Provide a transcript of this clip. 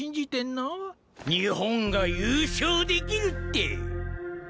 日本が優勝できるって。